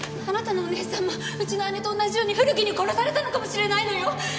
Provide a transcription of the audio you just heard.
あなたのお姉さんもうちの姉と同じように古木に殺されたのかもしれないのよ？